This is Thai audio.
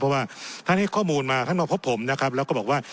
เพราะว่าท่านให้ข้อมูลมาท่านมาพบผมนะครับแล้วก็บอกว่า